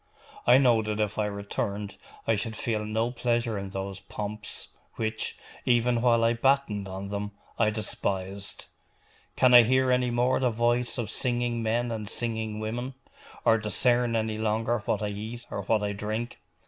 I know that if I returned I should feel no pleasure in those pomps, which, even while I battened on them, I despised. Can I hear any more the voice of singing men and singing women; or discern any longer what I eat or what I drink?